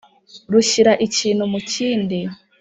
rushyira ikintu mu kindi!